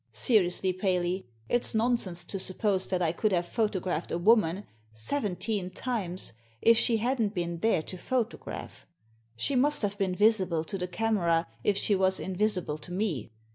Seriously, Paley! It's nonsense to suppose that I could have photographed a woman — ^seventeen times — if she hadn't been there to photograph. She must have been visible to the camera if she was invisible to me.